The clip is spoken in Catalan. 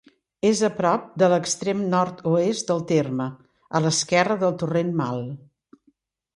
És a prop de l'extrem nord-oest del terme, a l'esquerra del torrent Mal.